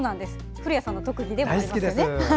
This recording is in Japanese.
古谷さんの特技でもありますね。